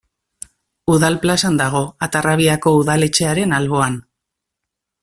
Udal plazan dago, Atarrabiako udaletxearen alboan.